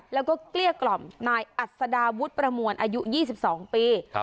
แล้วก็เกลี้ยกล่อมนายอัศดาวุฒิประมวลอายุ๒๒ปี